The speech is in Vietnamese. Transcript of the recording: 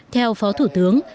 theo phó thủ tướng